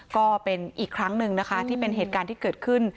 ก็เป็นอีกครั้งหนึ่งนะคะที่เป็นเหตุการณ์ที่เกิดขึ้น